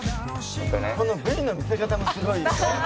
「このＶの見せ方もすごいよね」